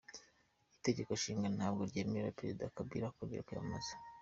Itegeko nshinga ntabwo ryemerera Perezida Kabila kongera kwiyamamaza.